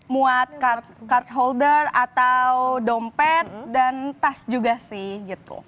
muat card holder atau dompet dan tas juga sih gitu